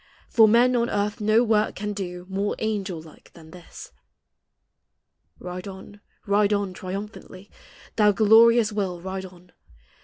For men on earth no work can do More angel like than this. Ride on, ride on, triumphantly, Thou glorious will, ride on